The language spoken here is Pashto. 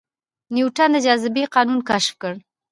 نیوټن د جاذبې قانون کشف کړ